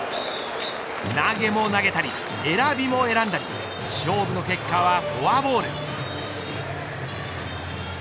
投げも投げたり選びも選んだり勝負の結果はフォアボール。